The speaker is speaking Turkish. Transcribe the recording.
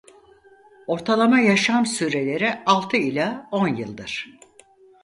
Ortalama yaşam süreleri altı ila on yıldır.